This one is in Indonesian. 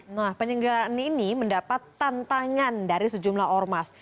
nah penyelenggaraan ini mendapat tantangan dari sejumlah ormas